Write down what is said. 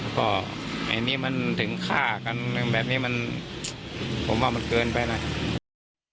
แล้วก็อันนี้มันถึงฆ่ากันแบบนี้มันผมว่ามันเกินไปนะครับ